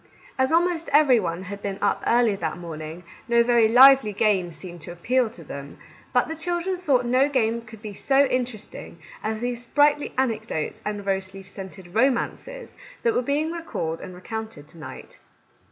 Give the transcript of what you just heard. As almost every one had been up early that morning, no very lively games seemed to appeal to them ; but the children thought no game could be so interest ing as these sprightly anecdotes and rose leaf scented romances that were being recalled and recounted to night.